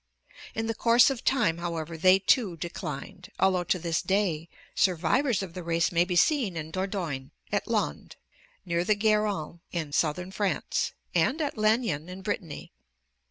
In the course of time, how ever, they too declined, although to this day survivors of the race may be seen in Dordogne, at Landes near the Garonne in Southern France, and at Lannion in Brittany.